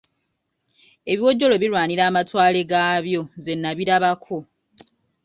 Ebiwojjolo birwanira amatwale gaabyo nze nabirabako.